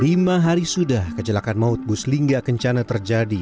lima hari sudah kecelakaan maut buslingga kencana terjadi